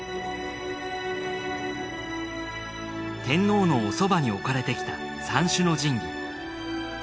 天皇のおそばに置かれてきた三種の神器。